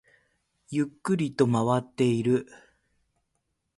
ゆっくりと回っている